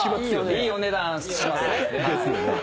・いいお値段しますね。